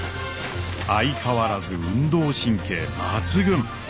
相変わらず運動神経抜群！